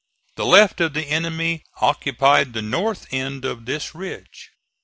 The left of the enemy occupied the north end of this ridge.